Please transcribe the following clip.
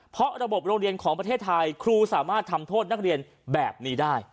เพราะระบบโรงเรียนของประเทศไทยครูสามารถทำโทษนักเรียนแบบนี้ได้